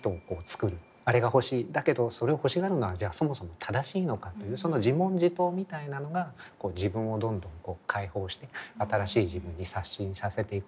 あれが欲しいだけどそれを欲しがるのはじゃあそもそも正しいのかというその自問自答みたいなのが自分をどんどん解放して新しい自分に刷新させていくことになるんじゃないか。